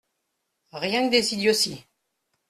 Rien que des idioties !